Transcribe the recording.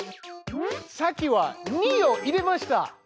さっきは「２」を入れました！